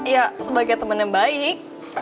ya sebagai teman yang baik